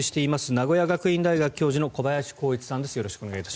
名古屋学院大学教授の小林甲一さんです。